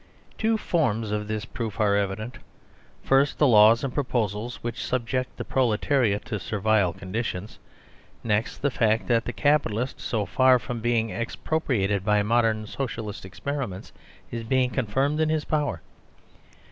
Two forms of this proof are evident: first, the laws and proposals which subject the Proletariat to Servile conditions ; next, the fact that the Capitalist, so far from being expropriated by modern " Socialist " ex periments, is being confirmed in his power.